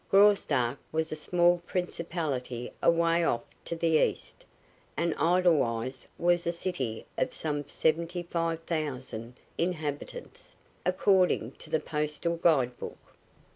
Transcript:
Graustark was a small principality away off to the east, and Edelweiss was a city of some seventy five thousand inhabitants, according to the postal guide book.